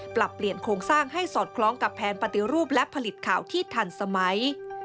ปรับเปลี่ยนโครงสร้างให้สอดคล้องกับแผนปฏิรูปและผลิตข่าวที่ทันสมัย